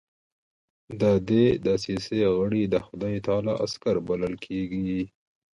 د دې دسیسې غړي د خدای تعالی عسکر بلل کېدل.